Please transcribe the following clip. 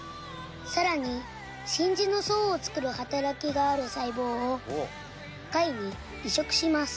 更に真珠の層を作る働きがある細胞を貝に移植します。